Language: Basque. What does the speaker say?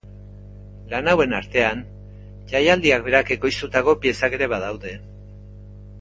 Lan hauen artean, jaialdiak berak ekoiztutako piezak ere badaude.